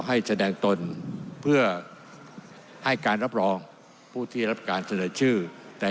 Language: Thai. ให้แสดงตนเพื่อให้การรับรองผู้ที่รับการเสนอชื่อใน